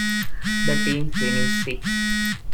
The team finished sixth.